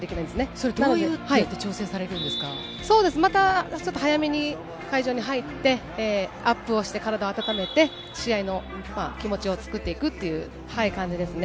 それはどういう調整をされるまた、ちょっと早めに会場に入って、アップをして体を温めて、試合の気持ちを作っていくっていう感じですね。